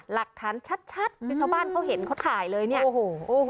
หลักฐานชัดไปชาวบ้านเขาเห็นเขาถ่ายเลยเนี่ยโอ้โหโอ้โห